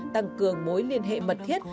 tăng cường mối liên hệ mật thiết